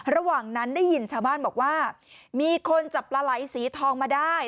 ระหว่างนั้นได้ยินชาวบ้านบอกว่ามีคนจับปลาไหลสีทองมาได้